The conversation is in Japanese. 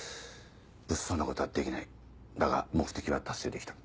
物騒なことはできないだが目的は達成できた。